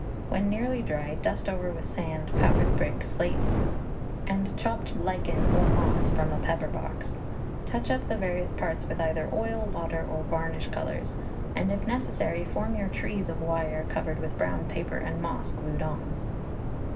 When nearly dry, dust over with sand, powdered brick, slate, and chopped lichen or moss, from a pepper box; touch up the various parts with either oil, water, or varnish colours; and if necessary, form your trees of wire, covered with brown paper and moss, glued on.